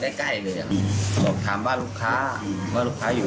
ไม่ได้สังเกต